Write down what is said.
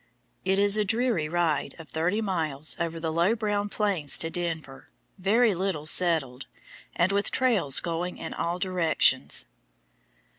It is a dreary ride of thirty miles over the low brown plains to Denver, very little settled, and with trails going in all directions.